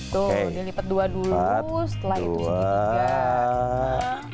tuh dilipat dua dulu setelah itu segitiga